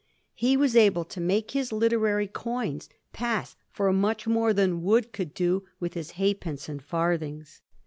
He was able to make his literary coins pass for much more than Wood could do with his halfpence and farthings.